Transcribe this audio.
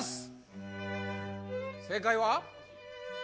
正解は？